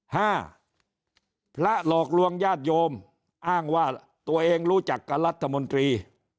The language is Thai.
ห้าพระหลอกลวงญาติโยมอ้างว่าตัวเองรู้จักกับรัฐมนตรี